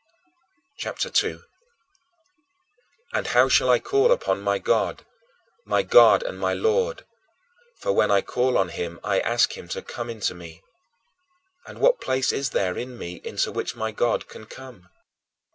CHAPTER II 2. And how shall I call upon my God my God and my Lord? For when I call on him I ask him to come into me. And what place is there in me into which my God can come?